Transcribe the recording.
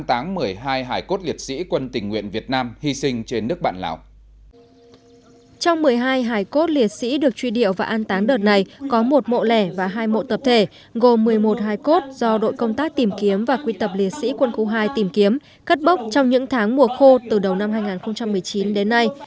trong một mươi hai hải cốt liệt sĩ được truy điệu và an táng đợt này có một mộ lẻ và hai mộ tập thể gồm một mươi một hải cốt do đội công tác tìm kiếm và quy tập liệt sĩ quân khu hai tìm kiếm cất bốc trong những tháng mùa khô từ đầu năm hai nghìn một mươi chín đến nay